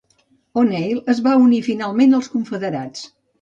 O'Neill es va unir finalment als Confederats.